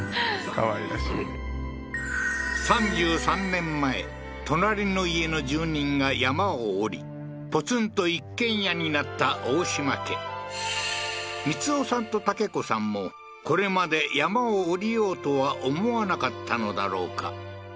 かわいらしい３３年前隣の家の住人が山を下りポツンと一軒家になった大島家光夫さんとたけ子さんもこれまで山を下りようとは思わなかったのだろうか？